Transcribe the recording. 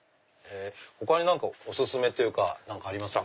他にお薦めというか何かありますか？